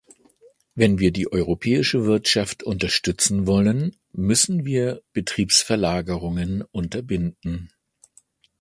Wenn wir die europäische Wirtschaft unterstützen wollen, müssen wir Betriebsverlagerungen unterbinden.